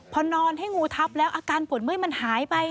พอนอนให้งูทับแล้วอาการปวดเมื่อยมันหายไป